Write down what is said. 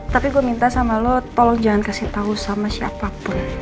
tapi gue minta sama lo tolong jangan kasih tahu sama siapapun